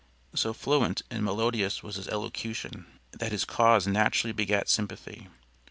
So fluent and melodious was his elocution that his cause naturally begat sympathy.